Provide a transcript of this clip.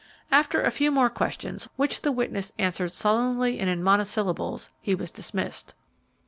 After a few more questions, which the witness answered sullenly and in monosyllables, he was dismissed.